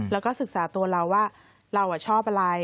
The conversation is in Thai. แล้วก็ศึกษาตัวเราว่าเราชอบอะไร